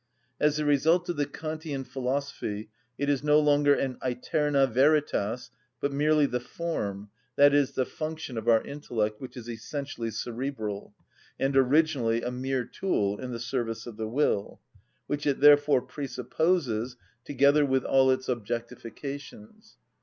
As a result of the Kantian philosophy it is no longer an æterna veritas, but merely the form, i.e., the function, of our intellect, which is essentially cerebral, and originally a mere tool in the service of the will, which it therefore presupposes together with all its objectifications.